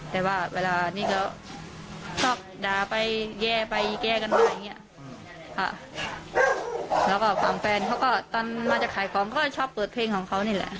แต่ว่าเวลานี่ก็ชอบด่าไปแย่ไปแย่กันมาอย่างเงี้ยค่ะแล้วก็ฝั่งแฟนเขาก็ตอนมาจะขายของก็ชอบเปิดเพลงของเขานี่แหละ